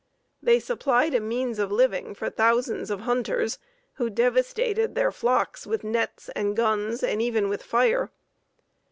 They supplied a means of living for thousands of hunters, who devastated their flocks with nets and guns, and even with fire.